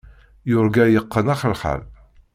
Yurga yeqqen axelxal.